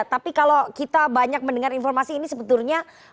tapi kalau kita banyak mendengar informasi ini sebetulnya